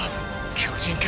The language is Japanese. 巨人か。